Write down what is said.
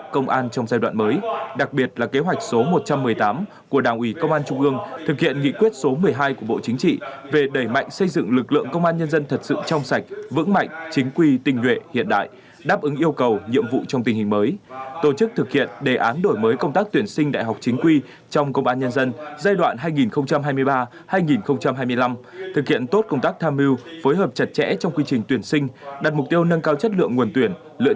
công an trong giai đoạn mới đặc biệt là kế hoạch số một trăm một mươi tám của đảng ủy công an trung ương thực hiện nghị quyết số một mươi hai của bộ chính trị về đẩy mạnh xây dựng lực lượng công an nhân dân thật sự trong sạch vững mạnh chính quy tình nguyện hiện đại đáp ứng yêu cầu nhiệm vụ trong tình hình mới tổ chức thực hiện đề án đổi mới công tác tuyển sinh đại học chính quy trong công an nhân dân giai đoạn hai nghìn hai mươi ba hai nghìn hai mươi năm thực hiện tốt công tác tham mưu phối hợp chặt chẽ trong quy trình tuyển sinh đặt mục tiêu nâng cao chất lượng nguồn tuyển lự